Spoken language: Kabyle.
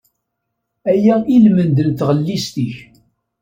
Aya i lmend n tɣellist-ik.